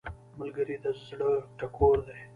ملګری د زړه ټکور دی